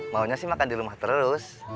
maunya sih makan di rumah terus